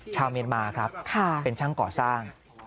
ชาวเมียนมาครับเป็นช่างก่อสร้าง